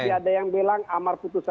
masih ada yang bilang amar putusan